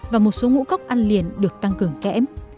và một số ngũ cốc ăn liền được tăng cường kẽm